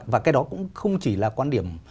và cái đó cũng không chỉ là quan điểm